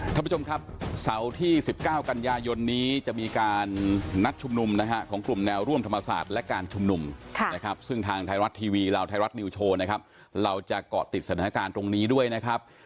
ท่านผู้ชมครับเสาร์ที่๑๙กันยายนนี้จะมีการนัดชุมนุมนะฮะของกลุ่มแนวร่วมธรรมศาสตร์และการชุมนุมนะครับซึ่งทางไทยรัฐทีวีเราไทยรัฐนิวโชว์นะครับเราจะเกาะติดสถานการณ์ตรงนี้ด้วยนะครับ